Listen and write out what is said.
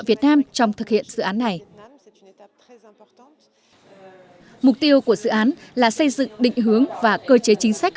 việt nam trong thực hiện dự án này mục tiêu của dự án là xây dựng định hướng và cơ chế chính sách